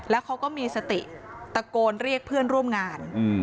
แล้วเขาก็มีสติตะโกนเรียกเพื่อนร่วมงาน